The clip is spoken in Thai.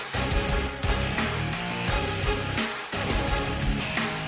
ชูเว็ดตีแสดหน้า